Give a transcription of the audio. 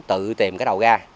tự tìm cái đầu ra